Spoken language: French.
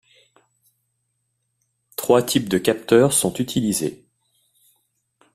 Trois types de capteurs sont utilisés.